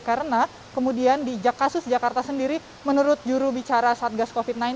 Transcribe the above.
karena kemudian di kasus jakarta sendiri menurut juru bicara satgas covid sembilan belas